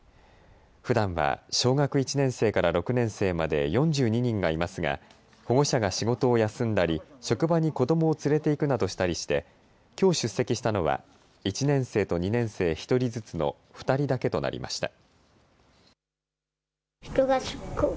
ふだんは小学１年生から６年生まで４２人がいますが保護者が仕事を休んだり職場に子どもを連れて行くなどしたりして、きょう出席したのは１年生と２年生１人ずつの２人だけとなりました。